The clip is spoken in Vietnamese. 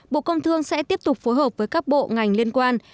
bộ công thương sẽ tiếp tục phối hợp với các bộ ngành liên quan